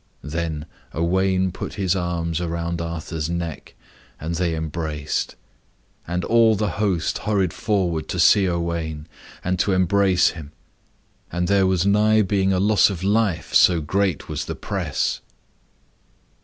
Then Owain put his arms around Arthur's neck, and they embraced. And all the host hurried forward to see Owain, and to embrace him. And there was nigh being a loss of life, so great was the press.